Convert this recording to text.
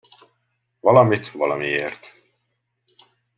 Valamit valamiért.